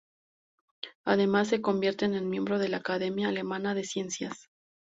Además, se convierte en miembro de la Academia Alemana de Ciencias.